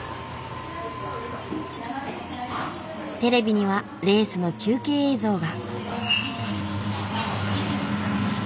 テレビにはレースの中継映像が。